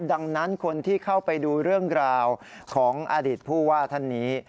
ดังนั้นคนที่เข้าไปดูเรื่องราวของอดีตผู้ว่าท่านนี้